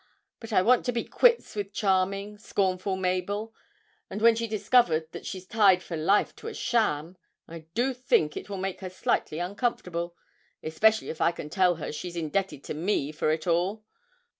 But I want to be quits with charming, scornful Mabel, and, when she discovers that she's tied for life to a sham, I do think it will make her slightly uncomfortable especially if I can tell her she's indebted to me for it all!